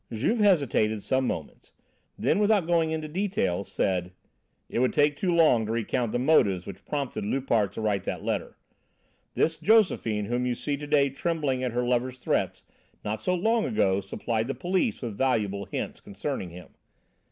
Juve hesitated some moments; then, without going into details, said: "It would take too long to recount the motives which prompted Loupart to write that letter. This Josephine whom you see to day trembling at her lover's threat not so long ago supplied the police with valuable hints concerning him.